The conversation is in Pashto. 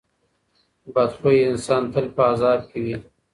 بد خویه انسان تل په عذاب کې وي.